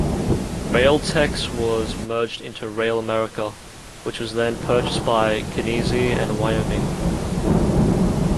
Railtex was merged into RailAmerica, which was then purchased by Genesee and Wyoming.